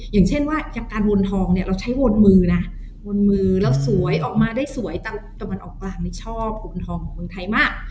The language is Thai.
อย่างเช่นว่าอย่างการวนทองเนี่ยเราใช้วนมือนะวนมือแล้วสวยออกมาได้สวยตะวันออกกลางนี่ชอบผลทองของเมืองไทยมาก